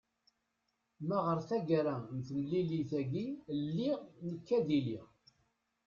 ma ɣer tagara n temlilit-agi lliɣ nekk ad iliɣ